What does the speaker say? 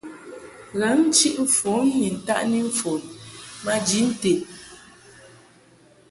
Ghǎŋ-chiʼ-mfon ni ntaʼni mfon maji nted.